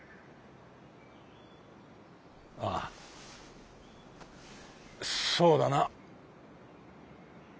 ああそうだな。